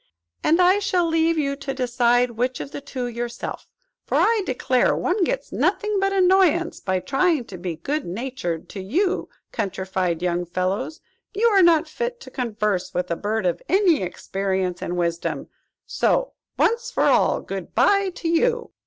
And I shall leave you to decide which of the two, yourself; for, I declare, one gets nothing but annoyance by trying to be good natured to you countrified young fellows. You are not fit to converse with a bird of any experience and wisdom. So, once for all, good bye to you!"